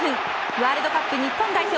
ワールドカップ日本代表